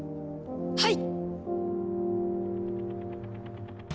はい！